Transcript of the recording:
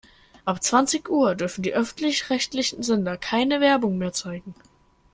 Ab zwanzig Uhr dürfen die öffentlich-rechtlichen Sender keine Werbung mehr zeigen.